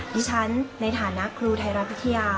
ดิฉันในฐานะครูไทยรัฐวิทยา